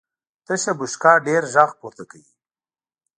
تشه بشکه ډېر غږ پورته کوي .